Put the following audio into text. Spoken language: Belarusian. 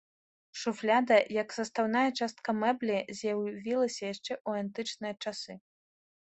Шуфляда як састаўная частка мэблі з'явілася яшчэ ў антычныя часы.